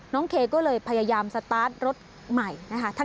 เคก็เลยพยายามสตาร์ทรถใหม่นะคะ